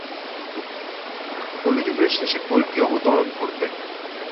কলি যুগের শেষে কল্কি অবতরণ করবেন।